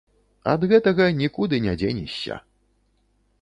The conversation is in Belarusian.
Ад гэтага нікуды не дзенешся.